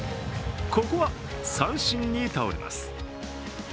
ここは三振に倒れます。